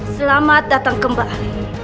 selamat datang kembali